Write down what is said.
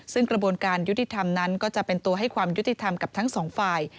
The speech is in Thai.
ซึ่งกระบวนการยุติธรรมนั้นก็จะเป็นตัวให้ความยุติธรรมกับทั้งสองฝ่าย